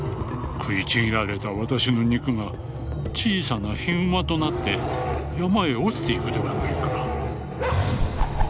食いちぎられた私の肉が小さなヒグマとなって山へ落ちていくではないか」。